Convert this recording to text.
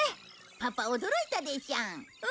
パパ驚いたでしょう？